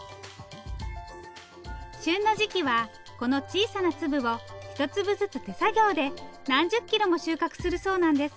旬の時期はこの小さな粒を一粒ずつ手作業で何十キロも収穫するそうなんです。